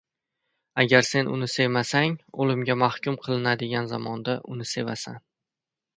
Agar sen uni sevmasang oʻlimga mahkum qilinadigan zamonda, uni sevasan.